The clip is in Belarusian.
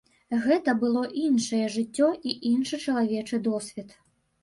Гэта было іншае жыццё і іншы чалавечы досвед.